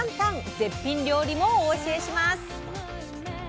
絶品料理もお教えします！